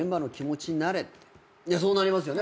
そうなりますよね